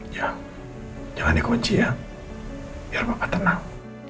ya jangan dikunci ya biar makan tenang